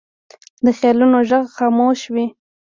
د خیالونو غږ خاموش وي